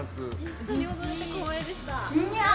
一緒に踊れて光栄でした。